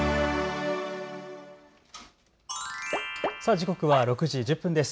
時刻は６時１０分です。